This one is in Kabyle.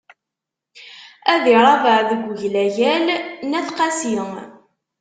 Ad iṛabeɛ deg uglagal n At Qasi.